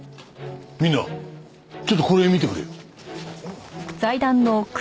みんなちょっとこれ見てくれよ。